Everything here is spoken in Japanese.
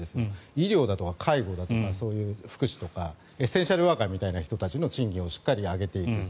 医療だとか介護だとかそういう福祉とかエッセンシャルワーカーみたいな人たちの賃金をしっかり上げていく。